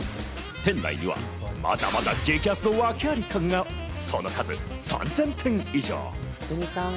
店内にはまだまだ激安の訳あり家具が、その数３０００点以上。